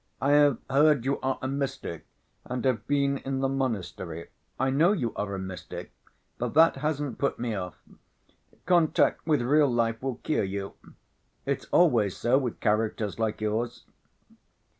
"I have heard you are a mystic and have been in the monastery. I know you are a mystic, but ... that hasn't put me off. Contact with real life will cure you.... It's always so with characters like yours."